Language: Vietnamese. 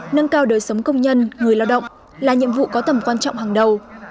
nâng cao đời sống công nhân người lao động là nhiệm vụ có tầm quan trọng hàng đầu